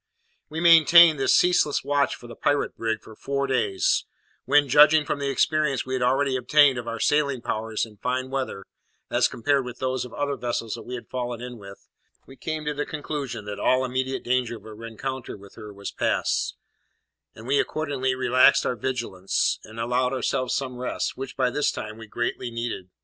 We maintained this ceaseless watch for the pirate brig for four days, when, judging from the experience we had already obtained of our sailing powers in fine weather as compared with those of other vessels that we had fallen in with, we came to the conclusion that all immediate danger of a rencontre with her was past; and we accordingly relaxed our vigilance, and allowed ourselves some rest, which, by this time, we greatly needed.